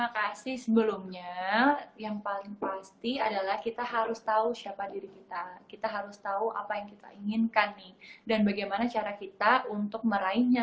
terima kasih sebelumnya